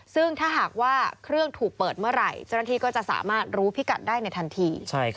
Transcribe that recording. ซึ่งถ้าหากว่าเครื่องถูกเปิดเมื่อไหร่เจ้าหน้าที่ก็จะสามารถรู้พิกัดได้ในทันที